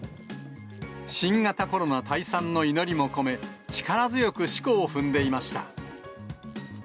新型コロナ退散の祈りも込め、力強くしこを踏んでいました。